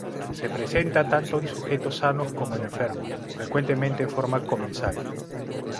Se presenta tanto en sujetos sanos como en enfermos, frecuentemente en forma comensal.